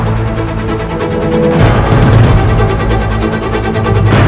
dan raden kiansanta